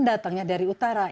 datangnya dari utara